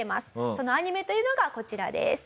そのアニメというのがこちらです。